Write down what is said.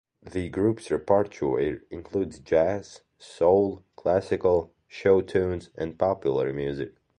The group's repertoire includes jazz, soul, classical, show tunes, and popular music.